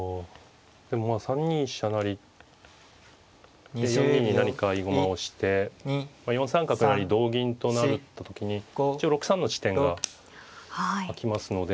でもまあ３二飛車成で４二に何か合駒をして４三角成同銀となった時に一応６三の地点が空きますので。